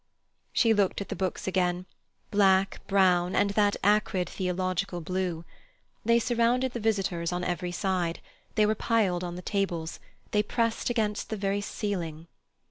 She looked at the books again—black, brown, and that acrid theological blue. They surrounded the visitors on every side; they were piled on the tables, they pressed against the very ceiling.